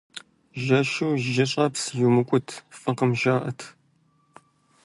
Жэщу жьыщӀэпс иумыкӀут, фӀыкъым, жаӀэрт.